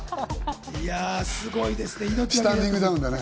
すごいですね。